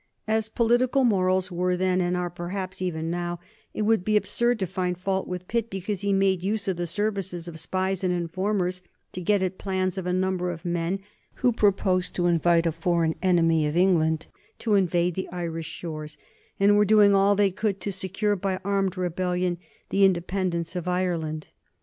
As political morals were then and are perhaps even now, it would be absurd to find fault with Pitt because he made use of the services of spies and informers to get at the plans of a number of men who proposed to invite a foreign enemy of England to invade the Irish shores, and were doing all they could to secure by armed rebellion the independence of Ireland.